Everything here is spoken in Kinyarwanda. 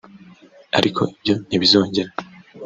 ariko ibyo ntibizongera”